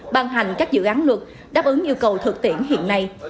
ban hành các dự án luật đáp ứng yêu cầu thực tiễn hiện nay